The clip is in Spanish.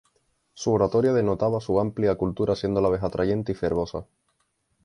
Su oratoria denotaba su amplia cultura siendo a la vez atrayente y fervorosa.